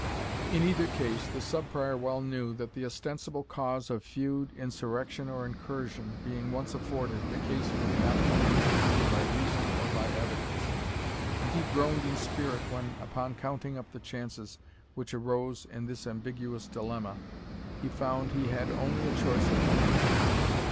In either case, the Sub Prior well knew that the ostensible cause of feud, insurrection, or incursion, being once afforded, the case would not be ruled either by reason or by evidence, and he groaned in spirit when, upon counting up the chances which arose in this ambiguous dilemma, he found he had only a choice of difficulties.